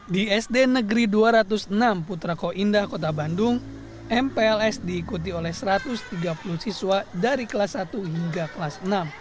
di sd negeri dua ratus enam putrako indah kota bandung mpls diikuti oleh satu ratus tiga puluh siswa dari kelas satu hingga kelas enam